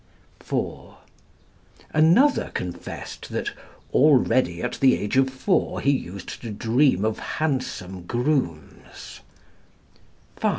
(4) Another confessed that "already at the age of four he used to dream of handsome grooms."